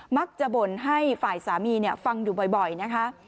บ่นให้ฝ่ายสามีฟังอยู่บ่อยนะคะ